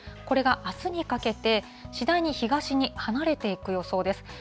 これがあすにかけて、次第に東に離れていく予想です。